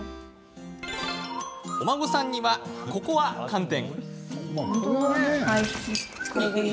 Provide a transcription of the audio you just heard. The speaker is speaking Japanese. お孫さんには、ココア寒天。